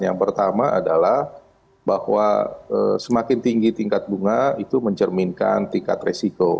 yang pertama adalah bahwa semakin tinggi tingkat bunga itu mencerminkan tingkat resiko